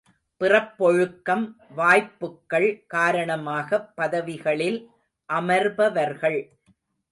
பிறப்பொழுக்கம், வாய்ப்புக்கள் காரணமாகப் பதவிகளில் அமர்பவர்கள்.